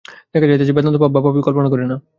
দেখা যাইতেছে, বেদান্ত পাপ বা পাপী কল্পনা করে না।